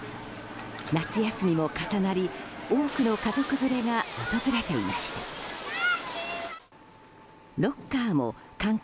夏休みも重なり多くの家族連れが訪れていました。